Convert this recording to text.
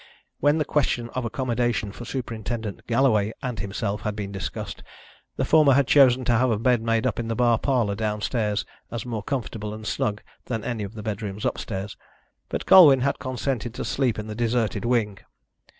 When the question of accommodation for Superintendent Galloway and himself had been discussed, the former had chosen to have a bed made up in the bar parlour downstairs as more comfortable and snug than any of the bedrooms upstairs, but Colwyn had consented to sleep in the deserted wing.